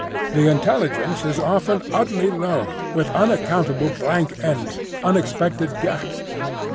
The intelligence is often oddly low, with unaccountable blank ends, unexpected gaps.